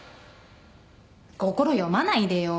心読まないでよ。